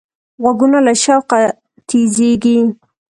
غوږونه له شوقه تیزېږي